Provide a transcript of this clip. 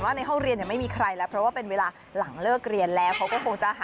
ไม่เหลียวในมือนี่สั่นแล้วนะ